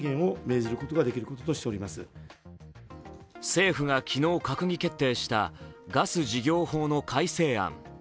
政府が昨日、閣議決定したガス事業法の改正案。